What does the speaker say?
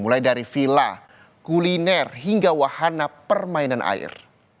mulai dari villa kuliner hingga wahana permainan air